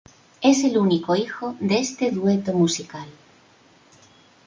Es el único hijo de este dueto musical.